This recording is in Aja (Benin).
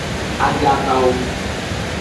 Adabawo.